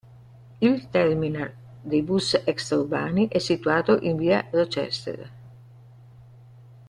Il terminal dei bus extraurbani è situato in via Rochester.